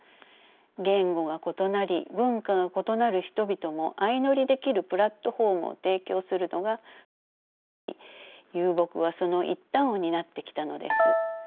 言語が異なり文化が異なる人々も相乗りできるプラットフォームを提供するのが文明であり遊牧はその一端を担ってきたのです。